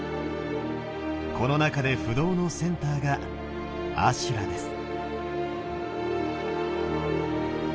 この中で不動のセンターが阿修羅です。